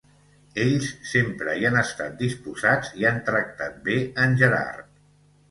Ells sempre hi han estat disposats i han tractat bé en Gerard.